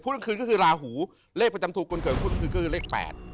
พุทธกลางคืนก็คือลาหูเลขประจำตูกลางคืนก็คือเลข๘